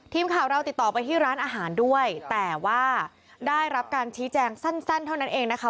ทีมข่าวเราติดต่อไปที่ร้านอาหารด้วยแต่ว่าได้รับการชี้แจงสั้นเท่านั้นเองนะคะ